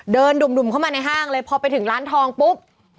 ดุ่มเข้ามาในห้างเลยพอไปถึงร้านทองปุ๊บ